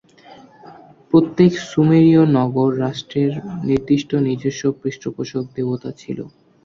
প্রত্যেক সুমেরীয় নগর-রাষ্ট্রের নির্দিষ্ট নিজস্ব পৃষ্ঠপোষক দেবতা ছিল।